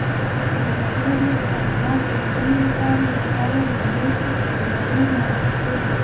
ازادي راډیو د تعلیمات د نجونو لپاره لپاره د مرستو پروګرامونه معرفي کړي.